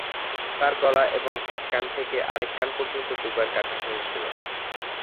তার গলা এবং এক কান থেকে আরেক কান পর্যন্ত দুবার কাটা হয়েছিল।